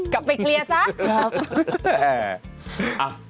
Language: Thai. กลับไปเคลียร์ซะครับ